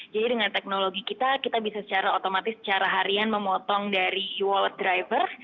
jadi dengan teknologi kita kita bisa secara otomatis secara harian memotong dari wallet driver